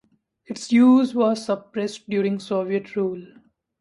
Its use was suppressed during Soviet rule.